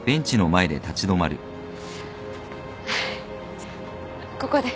じゃあここで。